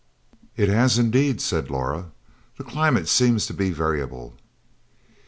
"It has indeed," said Laura. "The climate seems to be variable."